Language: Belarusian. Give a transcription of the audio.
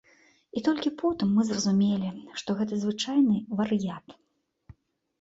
І толькі потым мы зразумелі, што гэта звычайны вар'ят.